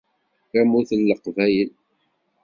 Tamurt n leqbayel.